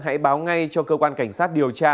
hãy báo ngay cho cơ quan cảnh sát điều tra